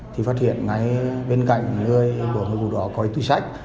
thì phát hiện ngay bên cạnh người của người vụ đó có cái tùy sách